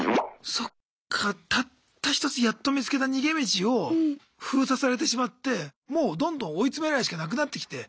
そっかたった一つやっと見つけた逃げ道を封鎖されてしまってもうどんどん追い詰められるしかなくなってきて。